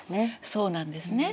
そうなんですね。